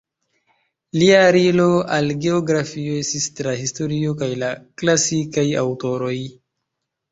Lia aliro al geografio estis tra historio kaj la klasikaj aŭtoroj.